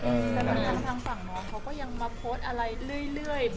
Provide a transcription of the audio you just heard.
มั่นทางฝั่งมันก็ยังมาโพสอะไรเรื่อย